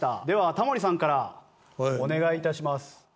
ではタモリさんからお願い致します。